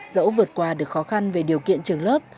dẫu vượt qua được khó khăn về điều kiện trường lớp